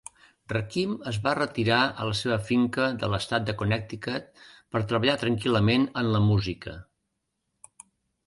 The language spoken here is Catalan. Rakim es va retirar a la seva finca de l"estat de Connecticut per treballar tranquil·lament en la música.